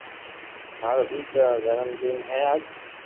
مارا ديڪرا رو جنم دن ھي آج